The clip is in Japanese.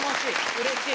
うれしい！